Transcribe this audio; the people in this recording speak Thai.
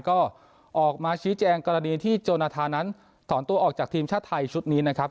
ก็ออกมาชี้แจงกรณีที่โจนาธานั้นถอนตัวออกจากทีมชาติไทยชุดนี้นะครับ